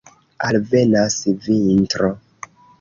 Alvenas vintro.